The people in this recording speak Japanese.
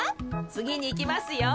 つぎにいきますよ。